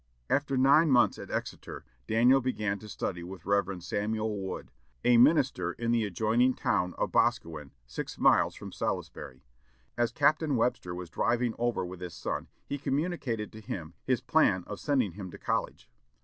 After nine months at Exeter, Daniel began to study with Rev. Samuel Wood, a minister in the adjoining town of Boscawen, six miles from Salisbury. As Captain Webster was driving over with his son, he communicated to him his plan of sending him to college.